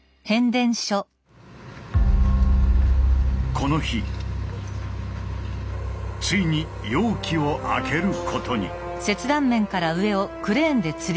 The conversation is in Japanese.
この日ついに容器を開けることに。